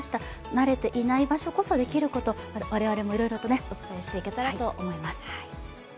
慣れていない場所こそできること、我々もいろいろとお伝えしていけたらと思います。